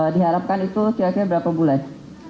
diharapkan itu kira kira berapa bulan